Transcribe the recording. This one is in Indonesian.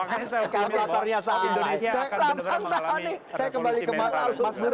makanya saya berpikir bahwa indonesia akan benar benar mengalami kondisi mental